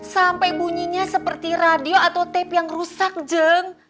sampai bunyinya seperti radio atau tap yang rusak jeng